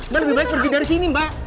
biar lebih baik pergi dari sini mbak